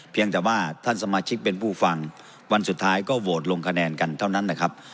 เพียงแต่ว่าท่านสมาชิกเป็นผู้ฟังวันสุดท้ายก็โหวตลงคะแนนกันเท่านั้นนะครับ